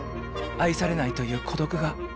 愛されないという孤独が。